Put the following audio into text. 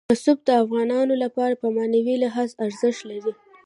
رسوب د افغانانو لپاره په معنوي لحاظ ارزښت لري.